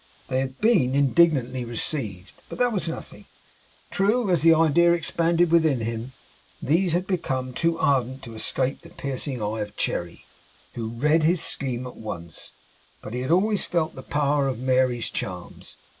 They had been indignantly received, but that was nothing. True, as the idea expanded within him, these had become too ardent to escape the piercing eye of Cherry, who read his scheme at once; but he had always felt the power of Mary's charms.